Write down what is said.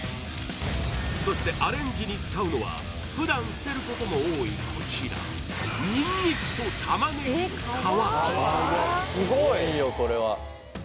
そしてアレンジに使うのは、ふだん捨てることの多いこちら、にんにくとたまねぎの皮。